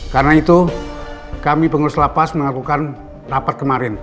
karena itu kami pengurus lapas melakukan rapat kemarin